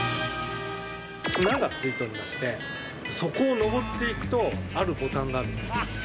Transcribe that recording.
綱がついておりましてそこを上っていくとあるボタンがあるんです。